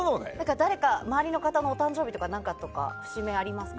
誰か、周りの方のお誕生日とか節目ありますか？